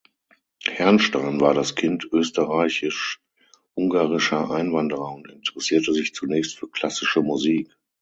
Herrnstein war das Kind österreichisch-ungarischer Einwanderer und interessierte sich zunächst für klassische Musik.